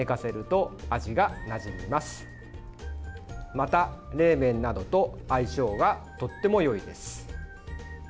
また、冷麺などと相性がとってもよいです。